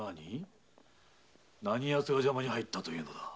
何やつが邪魔に入ったのだ？